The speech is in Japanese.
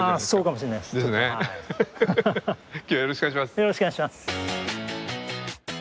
よろしくお願いします。